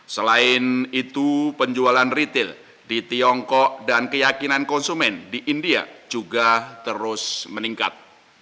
selain itu penjualan retail di tiongkok dan keyakinan konsumen di india juga terus meningkat